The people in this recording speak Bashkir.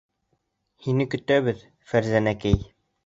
Һине көтәбеҙ, Фәрзәнәкәй!